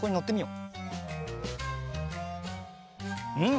うん。